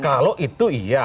kalau itu iya